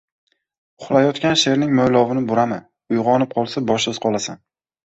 • Uxlayotgan sherning mo‘ylovini burama, uyg‘onib qolsa, boshsiz qolasan.